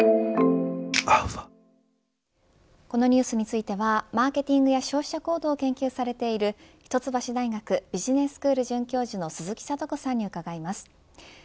このニュースについてはマーケティングや消費者行動を研究されている一橋大学ビジネススクール准教授の鈴木智子さんに伺います。